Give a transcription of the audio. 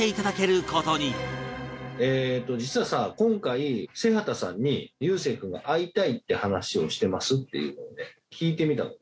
えーと実はさ今回瀬畑さんに悠生君が会いたいって話をしてますっていうのをね聞いてみたの。